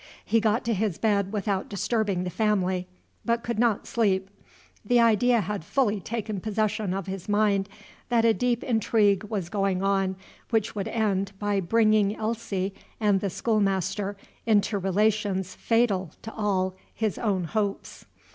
He got to his bed without disturbing the family, but could not sleep. The idea had fully taken possession of his mind that a deep intrigue was going on which would end by bringing Elsie and the schoolmaster into relations fatal to all his own hopes.